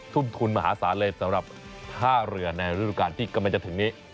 ทุ่มทุนมหาศาลเลยสำหรับท่าเรือในฤดูการที่กำลังจะถึงนี้